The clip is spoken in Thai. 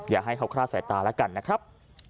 อย่าให้เขาคลาดสายตาแล้วกันนะครับ